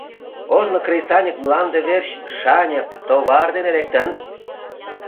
Ожно кресаньык мланде верч шаньык, товар дене лектын.